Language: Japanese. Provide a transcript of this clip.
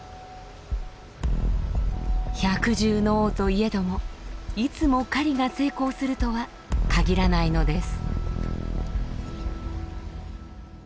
百獣の王といえどもいつも狩りが成功するとは限らないのです。